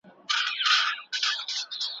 که پلانونه عملي سي ثبات راځي.